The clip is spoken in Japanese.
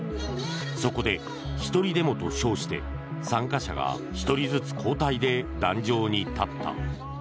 そこで、１人デモと称して参加者が１人ずつ交代で壇上に立った。